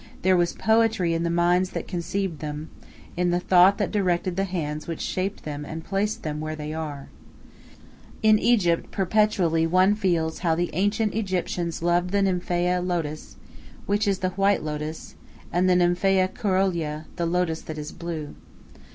There was poetry in the minds that conceived them, in the thought that directed the hands which shaped them and placed them where they are. In Egypt perpetually one feels how the ancient Egyptians loved the Nymphaea lotus, which is the white lotus, and the Nymphaea coeruloea, the lotus that is blue.